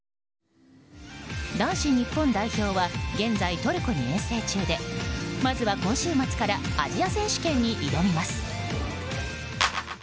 男子日本代表は現在、トルコに遠征中でまずは今週末からアジア選手権に挑みます。